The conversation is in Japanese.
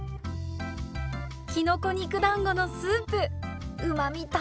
きのこ肉だんごのスープうまみ